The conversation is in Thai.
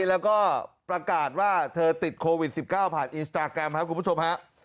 แล้วก็ประกาศว่าเธอติดโควิด๑๙ผ่านอินสตาแกรมครับคุณผู้ชมฮะ